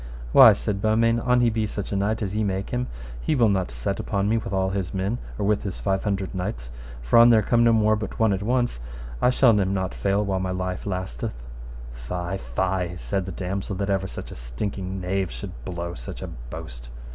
Why, said Beaumains, an he be such a knight as ye make him, he will not set upon me with all his men, or with his five hundred knights. For an there come no more but one at once, I shall him not fail whilst my life lasteth. Fie, fie, said the damosel, that ever such a stinking knave should blow such a boast.